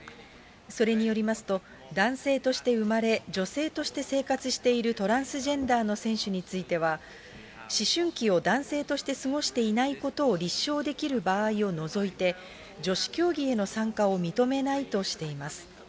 それによりますと、男性として産まれ、女性として生活しているトランスジェンダーの選手については、思春期を男性として過ごしていないことを立証できる場合を除いて、女子競技への参加を認めないとしています。